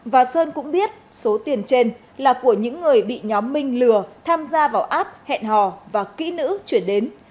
và sơn cũng biết số tiền trên là của những người bị nhóm minh lừa tham gia vào app hẹn hò và kỹ nữ chuyển đến